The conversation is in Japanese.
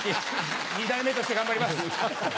２代目として頑張ります。